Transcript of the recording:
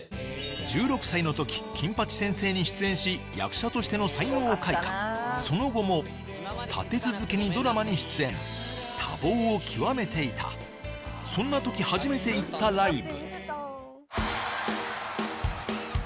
１６歳の時『金八先生』に出演し役者としての才能を開花その後も立て続けにドラマに出演多忙を極めていたそんな時初めて行ったライブ